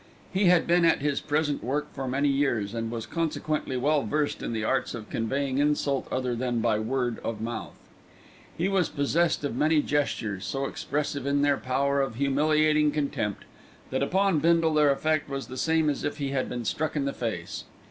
He had been at his present work for many years, and was consequently well versed in the arts of conveying insult other than by word of mouth. He was possessed of many gestures so expressive in their power of humiliating contempt, that upon Bindle their effect was the same as if he had been struck in the face.